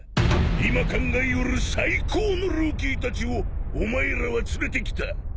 今考え得る最高のルーキーたちをお前らは連れてきた！